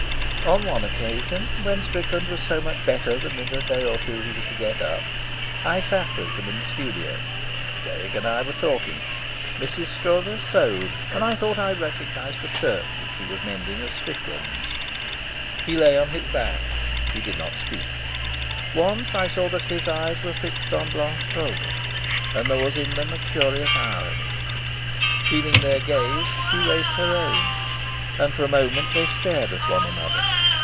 On one occasion, when Strickland was so much better that in a day or two he was to get up, I sat with them in the studio. Dirk and I were talking. Mrs. Stroeve sewed, and I thought I recognised the shirt she was mending as Strickland's. He lay on his back; he did not speak. Once I saw that his eyes were fixed on Blanche Stroeve, and there was in them a curious irony. Feeling their gaze, she raised her own, and for a moment they stared at one another.